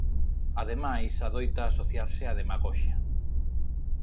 Ademais adoita asociarse á Demagoxia.